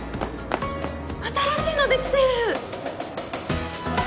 新しいの出来てる。